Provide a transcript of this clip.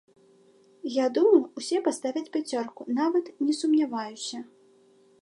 Я думаю, усе паставяць пяцёрку, нават не сумняваюся.